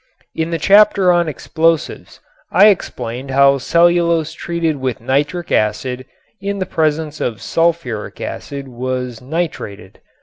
In the chapter on explosives I explained how cellulose treated with nitric acid in the presence of sulfuric acid was nitrated.